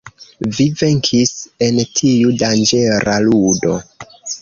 Vi venkis en tiu danĝera ludo.